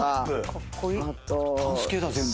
ダンス系だ全部。